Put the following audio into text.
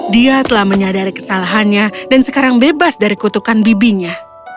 dia telah menyadari kesalahannya dan sekarang bebas dari kutukan bibinya